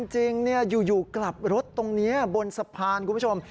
จริงอยู่กลับรถตรงนี้บนสะพานคุณผู้ชม